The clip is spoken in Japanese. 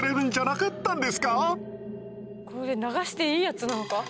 これ流していいやつなのか？